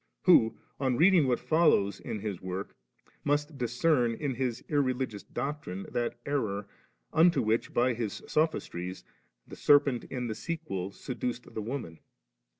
who, on reading what follows in his work, but must dis cern in his irreligious doctrine that error, into which by his sophistries the serpent in the sequel seduced the woman